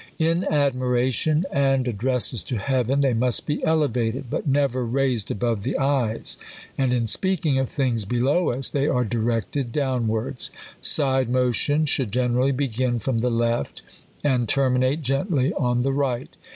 In admiration, and addresses to Heaven, they must be elevated, but never raised above the eyes; and in speaking of things below us, they are directed downwaras. Side motion should generally be gin from the left, aiid terminate gently on the right.